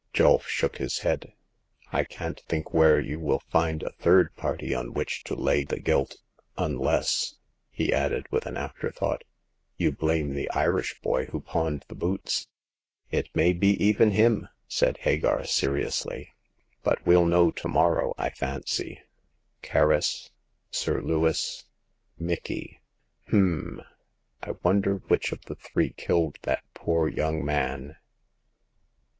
; Julf shook hi§ head, I can't think where The Eighth Customer. 221 you will find a third party on which to lay the guilt— unless," he added, with an afterthought, you blame the Irish boy who pawned the boots. It may be even him !'' said Hagar, seriously. "But well know to morrow, I fancy. Kerris, Sir Lewis, Micky— h'm ! I wonder which of the three killed that poor young man."